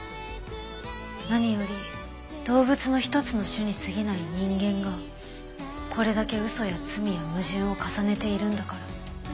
何より動物の一つの種に過ぎない人間がこれだけ嘘や罪や矛盾を重ねているんだから。